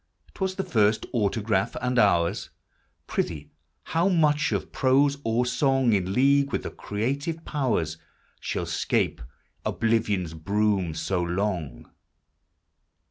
'T was the first autograph : and ours ? Prithee, how much of prose or song, In league with the creative powers, Shall 'scape Oblivion's broom so long